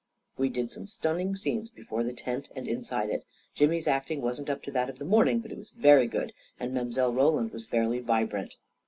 We did some stunning scenes before the tent and inside it. Jimmy's acting wasn't up to that of the morning, but it was very good, and Mile. Roland was fairly vibrant.